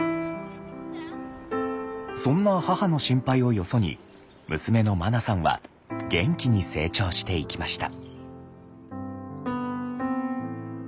そんな母の心配をよそに娘のまなさんは元気に成長していきました。